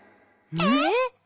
えっ？